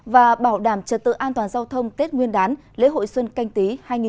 và bảo đảm trật tự an toàn giao thông tết nguyên đán lễ hội xuân canh tí hai nghìn hai mươi